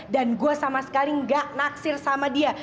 dan gue sama sekali gak naksir sama dia